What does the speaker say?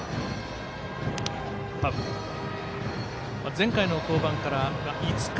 前回の登板から５日